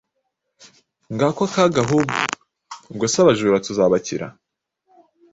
Ngako akaga ahubwo”! Ubwo se abajura tuzabakira!